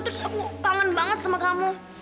terus aku kangen banget sama kamu